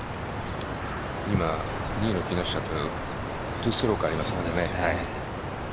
今、２位の木下と２ストロークありますからね。